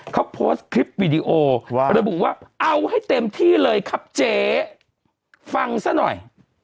เขาโพสต์คลิปวิดีโอระบุว่าเอาให้เต็มที่เลยครับเจ๊ฟังซะหน่อย